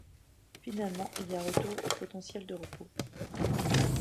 Finalement il y a retour au potentiel de repos.